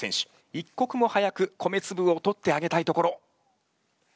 一刻も早く米つぶを取ってあげたいところ。